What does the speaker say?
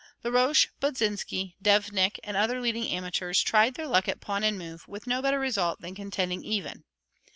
Laroche, Budzinsky, Devinck, and other leading amateurs tried their luck at pawn and move, with no better result than contending even.